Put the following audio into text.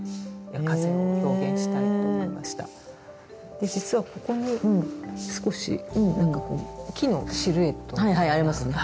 で実はここに少しなんかこう木のシルエットが。はいはいありますね。